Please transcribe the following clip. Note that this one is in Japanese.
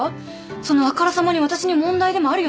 そのあからさまに私に問題でもあるような。